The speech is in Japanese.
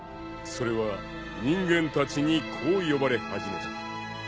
［それは人間たちにこう呼ばれ始めた］